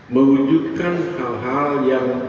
mengujudkan hal hal yang